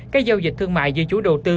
các giao dịch thương mại dân chủ đầu tư